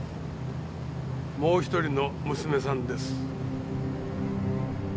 もう１人の娘さんです。